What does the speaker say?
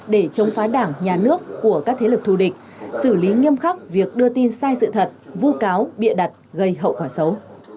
để chống phá đảng nhà nước của các thế lực thù địch xử lý nghiêm khắc việc đưa tin sai sự thật vu cáo bịa đặt gây hậu quả xấu